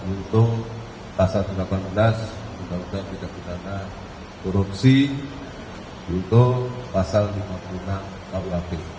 untuk pasal delapan belas untuk penyelamatan korupsi untuk pasal lima puluh enam